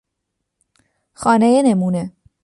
خانهی نمونه